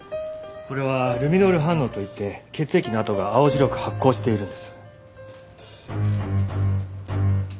これはルミノール反応と言って血液の痕が青白く発光しているんです。